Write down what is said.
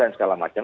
dan segala macam